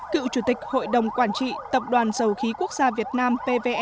cựu chủ tịch hội đồng quản trị tập đoàn dầu khí quốc gia việt nam pve